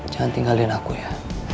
jangan tinggalin aku ya